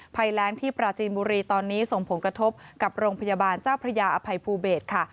ภัยแรงที่ปราจีนบุรีตอนนี้ส่งผลกระทบกับโรงพยาบาลเจ้าพระยาอภัยภูเบศค่ะ